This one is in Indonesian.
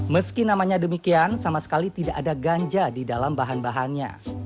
meski namanya demikian sama sekali tidak ada ganja di dalam bahan bahannya